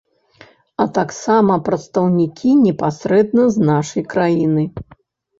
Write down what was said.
А таксама прадстаўнікі непасрэдна з нашай краіны.